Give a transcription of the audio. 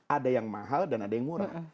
ada yang mahal dan ada yang murah